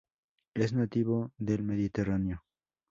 Es nativo del mediterráneo.